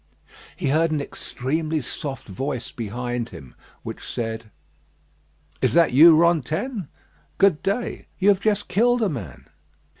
He heard an extremely soft voice behind him, which said: "Is that you, Rantaine? Good day. You have just killed a man!"